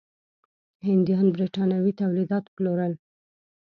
هندیان برېټانوي تولیدات پلورل.